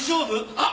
あっ！